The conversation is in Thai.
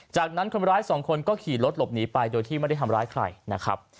จากนั้นคนร้ายสองคนก็ขี่รถหลบหนีไปโดยที่ไม่ได้ทำร้ายใครนะครับ